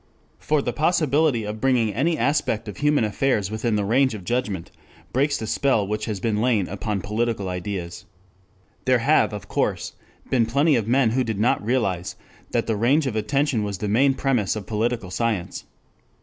For the possibility of bringing any aspect of human affairs within the range of judgment breaks the spell which has lain upon political ideas. There have, of course, been plenty of men who did not realize that the range of attention was the main premise of political science.